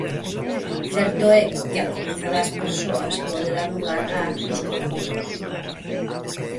Certo é que a cobiza das persoas pode dar lugar a actos corruptos.